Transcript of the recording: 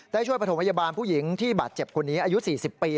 ช่วยประถมพยาบาลผู้หญิงที่บาดเจ็บคนนี้อายุ๔๐ปี